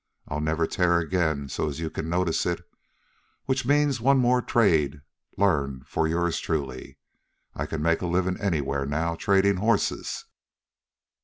I'll never tear again so as you can notice it. Which means one more trade learned for yours truly. I can make a livin' anywhere now tradin' horses."